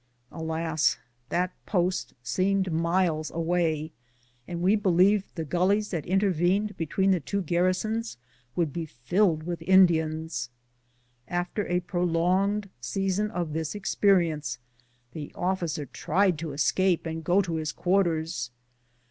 Alas, that post seemed miles away, and we believed the gulleys that intervened be tween the two garrisons would be filled with Indians. After a prolonged season of this experience, the officer tried to escape and go to his quarters.